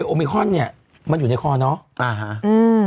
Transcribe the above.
โอมิคอนมันอยู่ในคอเนาะ